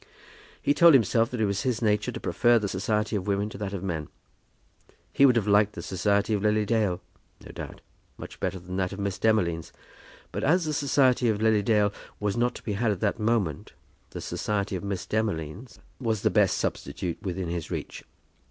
He told himself that it was his nature to prefer the society of women to that of men. He would have liked the society of Lily Dale, no doubt, much better than that of Miss Demolines; but as the society of Lily Dale was not to be had at that moment, the society of Miss Demolines was the best substitute within his reach.